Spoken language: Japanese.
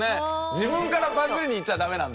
自分からバズりにいっちゃダメなんだ。